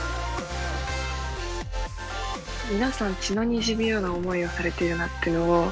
皆さん血のにじむような思いをされているなっていうのを。